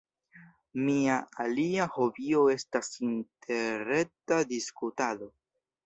Mia alia hobio estas interreta diskutado.